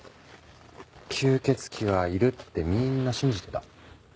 吸血鬼はいるってみんな信じてた。